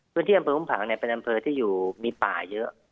ส่วนที่อำเภอพุ่มผังเป็นอำเภอที่มีป่าเยอะ